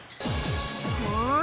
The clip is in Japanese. ほう。